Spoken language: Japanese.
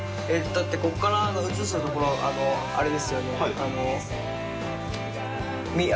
だってここから写したところあれですよね？